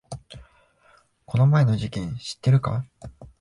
この前の事件知ってるか？